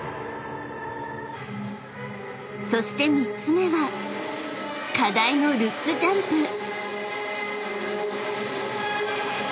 ［そして３つ目は課題のルッツジャンプ］